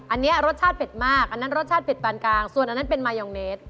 อันนี้รสชาติเผ็ดมากอันนั้นรสชาติเป็ดปานกลางส่วนอันนั้นเป็นมายองเนส